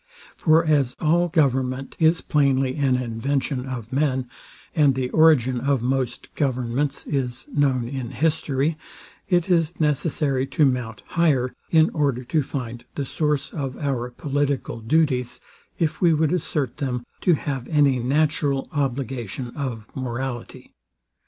For as all government is plainly an invention of men, and the origin of most governments is known in history, it is necessary to mount higher, in order to find the source of our political duties, if we would assert them to have any natural obligation of morality.